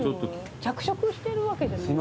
着色してるわけじゃ。